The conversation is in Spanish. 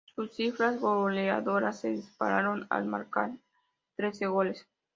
Sus cifras goleadoras se dispararon al marcar trece goles.